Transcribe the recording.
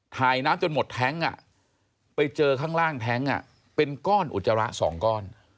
น้ำจนหมดแท้งไปเจอข้างล่างแท้งเป็นก้อนอุจจาระ๒ก้อน